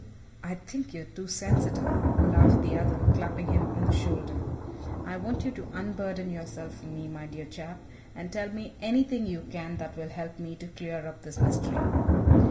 "I think you are too sensitive," laughed the other, clapping him on the shoulder. "I want you to unburden yourself to me, my dear chap, and tell me anything you can that will help me to clear up this mystery."